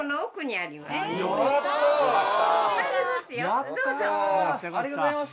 ありがとうございます。